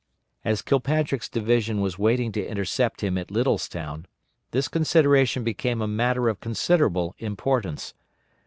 As Kilpatrick's division was waiting to intercept him at Littlestown, this consideration became a matter of considerable importance.